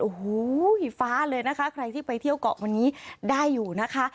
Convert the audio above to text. โอ้โหฟ้าเลยนะคะใครที่ไปเที่ยวเกาะวันนี้ได้อยู่นะคะ